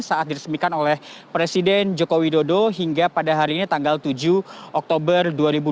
saat diresmikan oleh presiden joko widodo hingga pada hari ini tanggal tujuh oktober dua ribu dua puluh